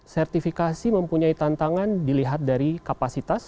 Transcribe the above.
sertifikasi mempunyai tantangan dilihat dari kapasitas